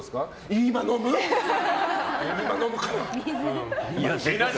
今飲むかな。